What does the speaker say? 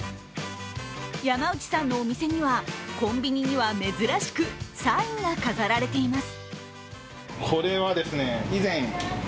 山内さんのお店にはコンビニには珍しくサインが飾られています。